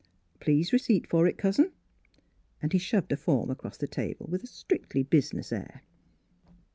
Please re ceipt for it, cousin," and he shoved a form across the table, with a strictly business air.